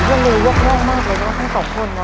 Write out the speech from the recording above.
มึงจะมียกได้มากเลยนะทั้งสองคนนะ